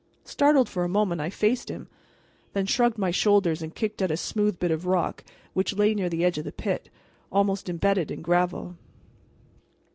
Startled for a moment, I faced him, then shrugged my shoulders and kicked at a smooth bit of rock which lay near the edge of the pit, almost embedded in gravel.